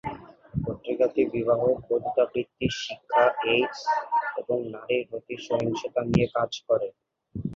পত্রিকাটি বিবাহ, পতিতাবৃত্তি, শিক্ষা, এইডস এবং নারীর প্রতি সহিংসতা নিয়ে কাজ করে।